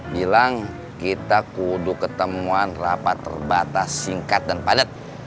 bilang kita kudu ketemuan rapat terbatas singkat dan padat